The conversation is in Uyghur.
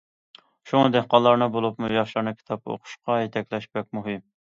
شۇڭا، دېھقانلارنى، بولۇپمۇ ياشلارنى كىتاب ئوقۇشقا يېتەكلەش بەك مۇھىم.